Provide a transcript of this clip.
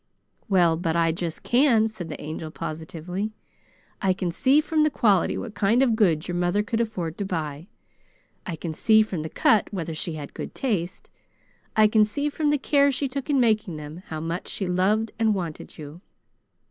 "Well, but I just can!" said the Angel positively. "I can see from the quality what kind of goods your mother could afford to buy. I can see from the cut whether she had good taste. I can see from the care she took in making them how much she loved and wanted you."